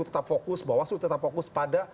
tetap fokus bawaslu tetap fokus pada